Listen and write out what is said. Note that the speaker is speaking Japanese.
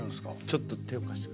ちょっと手を貸して。